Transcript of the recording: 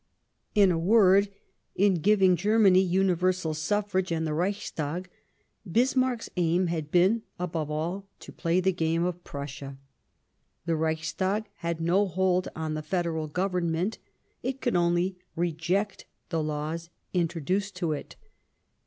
In a word, in giving Germany universal suffrage and the Reichstag, Bismarck's aim had been, above all, to play the game of Prussia. The Reichstag had no hold on the Federal Government ; it could only reject the laws introduced to it.